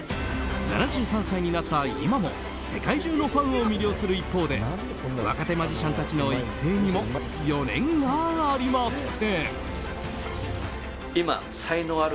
７３歳になった今も世界中のファンを魅了する一方で若手マジシャンたちの育成にも余念がありません。